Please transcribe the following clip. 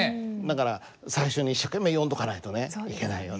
だから最初に一生懸命読んどかないとねいけないよね。